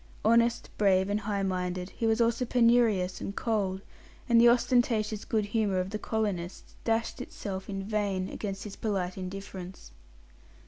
Honest, brave, and high minded, he was also penurious and cold, and the ostentatious good humour of the colonists dashed itself in vain against his polite indifference.